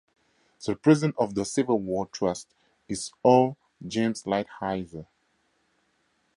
The President of the Civil War Trust is O. James Lighthizer.